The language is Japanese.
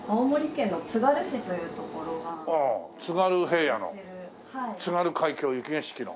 津軽平野の「津軽海峡・雪景色」の。